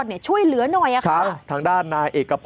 เบิร์ตลมเสียโอ้โห